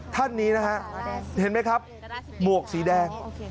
ท่านนี้นะครับเห็นมั้ยครับมวกสีแดง